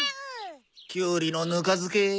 キュウリのぬか漬け。